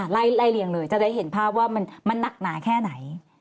ไล่เลียงเลยจะได้เห็นภาพว่ามันหนักหนาแค่ไหน